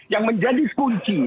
yang menjadi kunci